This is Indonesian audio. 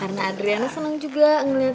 karena adriana seneng juga ngeluk ngeluk